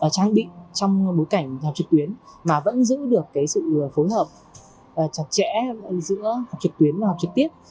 trang bị trong bối cảnh học trực tuyến mà vẫn giữ được sự phối hợp chặt chẽ giữa học trực tuyến và học trực tiếp